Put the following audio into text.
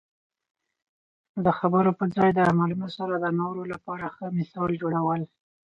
د خبرو په ځای د عملونو سره د نورو لپاره ښه مثال جوړول.